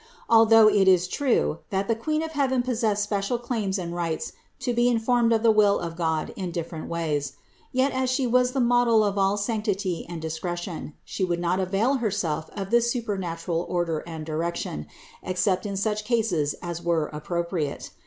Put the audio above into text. Although it is true, that the Queen of heaven possessed special claims and rights to be informed of the will of God in different ways ; yet, as She was the model of all sanctity and discretion, She would not avail Her self of this supernatural order and direction, except in such cases as were appropriate.